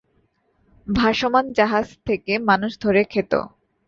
ভাসমান জাহাজ থেকে মানুষ ধরে খেত।